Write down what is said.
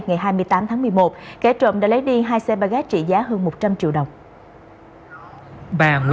ngày hai mươi tám tháng một mươi một kẻ trộm đã lấy đi hai xe ba ghét trị giá hơn một trăm linh triệu đồng